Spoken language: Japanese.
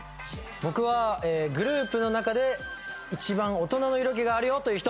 僕はグループの中で一番大人の色気があるよという人。